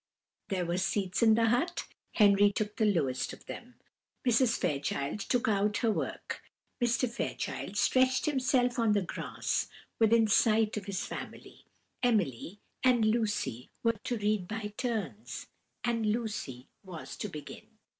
There were seats in the hut; Henry took the lowest of them. Mrs. Fairchild took out her work; Mr. Fairchild stretched himself on the grass, within sight of his family. Emily and Lucy were to read by turns, and Lucy was to begin.